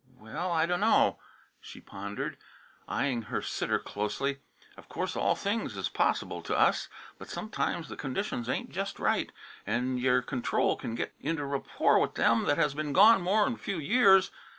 "Well, I dunno." She pondered, eying her sitter closely. "Of course all things is possible to us, but sometimes the conditions ain't jest right and y'r c'ntrol can't git into rapport with them that has been gone more'n a few years.